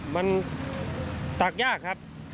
มันตักยากครับ